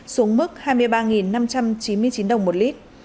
xuống mức hai mươi ba năm trăm chín mươi chín đồng một lít